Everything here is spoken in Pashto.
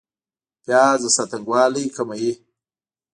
پیاز د ساه تنګوالی کموي